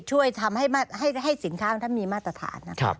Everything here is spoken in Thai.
ช่วยทำให้สินค้าให้มีมาตรฐาน